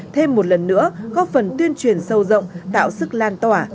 thêm một lần nữa góp phần tuyên truyền sâu rộng tạo sức lan tỏa